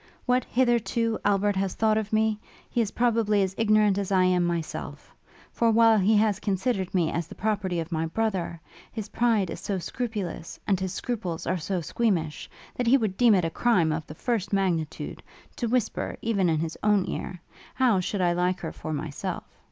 What, hitherto, Albert has thought of me, he is probably as ignorant as I am myself; for while he has considered me as the property of my brother, his pride is so scrupulous, and his scruples are so squeamish, that he would deem it a crime of the first magnitude, to whisper, even in his own ear, How should I like her for myself?